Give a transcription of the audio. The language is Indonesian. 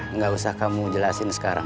nggak usah kamu jelasin sekarang